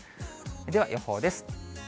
では予報です。